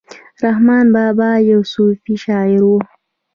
رحمان بابا یو صوفي شاعر ؤ